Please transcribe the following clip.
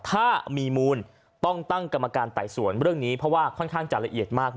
ถ้ามีมูลต้องตั้งกรรมการไต่สวนเรื่องนี้เพราะว่าค่อนข้างจะละเอียดมาก